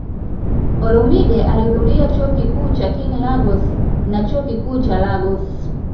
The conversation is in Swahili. Olumide alihudhuria Chuo cha King, Lagos na Chuo Kikuu cha Lagos.